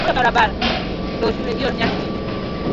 na ninataka hapa nifanikiwe ili nipate nini mbele anakuwa yaani yeye